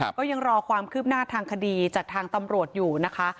ก็ยังรอความคืบหน้าทางคดีจากทางตำรวจอยู่นะคะ